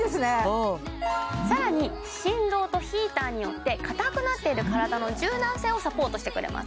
うんさらに振動とヒーターによって硬くなっている体の柔軟性をサポートしてくれます